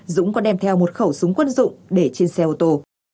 dũng có đem theo một khẩu súng quân dụng để trên xe ô tô